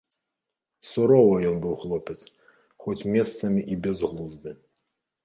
Суровы ён быў хлопец, хоць месцамі і бязглузды.